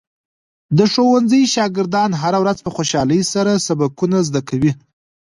د ښوونځي شاګردان هره ورځ په خوشحالۍ سره سبقونه زده کوي.